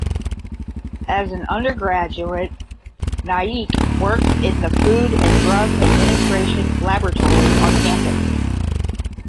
As an undergraduate Naik worked in the Food and Drug Administration laboratory on campus.